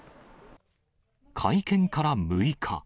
会見から６日。